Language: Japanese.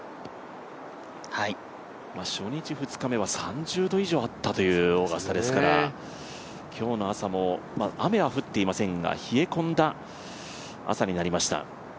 初日、２日目は３０度以上あったというオーガスタですから今日の朝も雨は降っていませんが、冷え込んだ朝になりました。